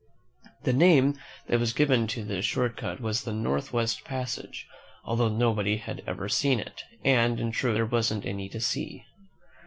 The name that was given to this short cut was the North west Passage, although nobody had ever seen it, and, in truth, there wasn't any to see.